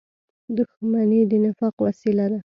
• دښمني د نفاق وسیله ده.